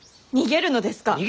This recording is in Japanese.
逃げるのですか。